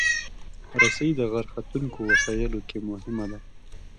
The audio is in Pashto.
رسۍ د غر ختونکو وسایلو کې مهمه ده.